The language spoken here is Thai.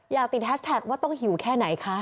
ติดแฮชแท็กว่าต้องหิวแค่ไหนคะ